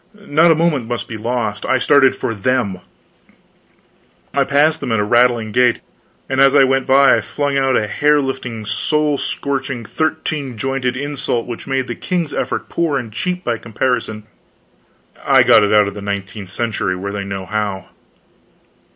Not a moment must be lost. I started for them. I passed them at a rattling gait, and as I went by I flung out a hair lifting soul scorching thirteen jointed insult which made the king's effort poor and cheap by comparison. I got it out of the nineteenth century where they know how.